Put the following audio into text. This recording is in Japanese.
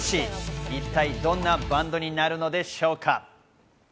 一体どんなバンドになるのでしょうか？